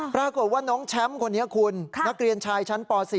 ปรากฏว่าน้องแชมป์คนนี้คุณนักเรียนชายชั้นป๔